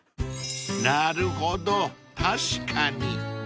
［なるほど確かに］